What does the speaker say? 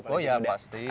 oh ya pasti